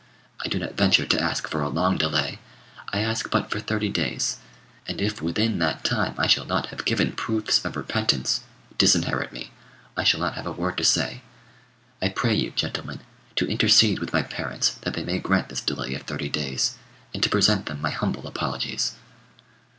I do not venture to ask for a long delay, I ask but for thirty days; and if within that time I shall not have given proofs of repentance, disinherit me: I shall not have a word to say. I pray you, gentlemen, to intercede with my parents that they may grant this delay of thirty days, and to present them my humble apologies."